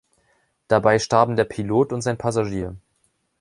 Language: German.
Dabei starben der Pilot und sein Passagier.